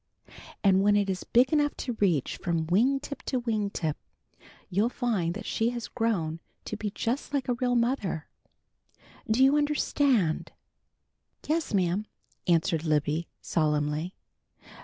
And when it is big enough to reach from 'wing tip to wing tip' you'll find that she has grown to be just like a real mother. Do you understand?" "Yes, ma'am," answered Libby solemnly.